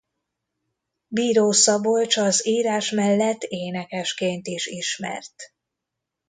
Bíró Szabolcs az írás mellett énekesként is ismert.